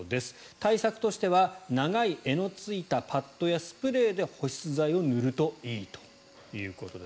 対策としては長い柄のついたパットやスプレーで保湿剤を塗るといいということです。